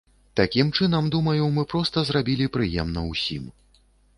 Такім чынам, думаю, мы проста зрабілі прыемна ўсім.